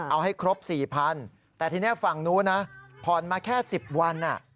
เอาให้ครบ๔๐๐๐แต่ทีนี้ฝั่งนู้นนะผ่อนมาแค่๑๐วัน